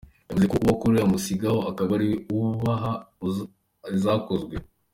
Yavuze ko uwo akorera amusiga aho, akaba ariwe ubaha izakozwe.